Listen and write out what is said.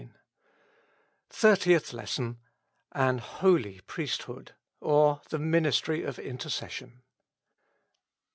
243 THIRTIETH LESSON. *'An holy priesthood;*' or, The Ministry of Intercession.